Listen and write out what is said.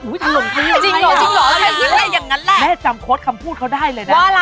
อุ้ยจริงหรอรู้มั้ยแม่จำโค้ดคำพูดเขาได้เลยนั่น